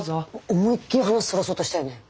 思いっきり話そらそうとしたよね。